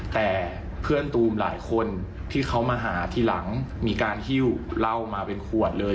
แต่เพื่อนตูมหลายคนที่เขามาหาทีหลังมีการหิ้วเหล้ามาเป็นขวดเลย